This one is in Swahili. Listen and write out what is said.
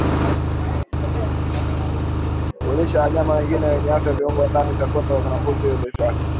Kulisha wanyama wengine wenye afya viungo vya ndani vya kondoo au mbuzi aliyekufa